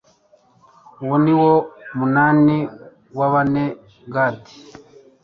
uwo ni wo munani wa bene gadi